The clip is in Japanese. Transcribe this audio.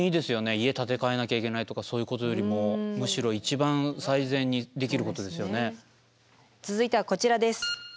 家建て替えなきゃいけないとかそういうことよりもむしろ続いてはこちらです。